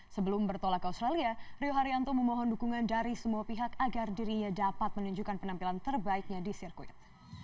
sebelum bertolak ke australia rio haryanto memohon dukungan dari semua pihak agar dirinya dapat menunjukkan penampilan terbaiknya di sirkuit